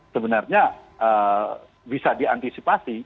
sebenarnya bisa diantisipasi